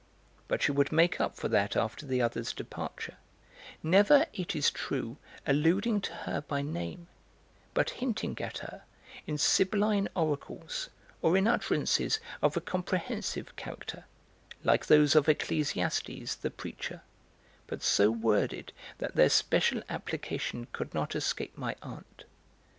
But she would make up for that after the other's departure; never, it is true, alluding to her by name, but hinting at her in Sibylline oracles, or in utterances of a comprehensive character, like those of Ecclesiastes, the Preacher, but so worded that their special application could not escape my aunt.